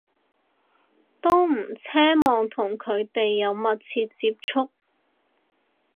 都唔奢望同佢哋有密切接觸